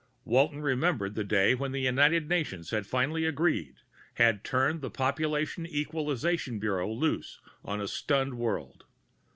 Walton remembered the day when the United Nations had finally agreed, had turned the Population Equalization Bureau loose on a stunned world.